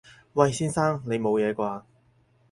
喂！先生！你冇嘢啩？